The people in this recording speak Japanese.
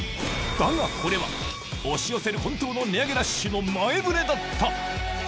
だがこれは、押し寄せる本当の値上げラッシュの前触れだった。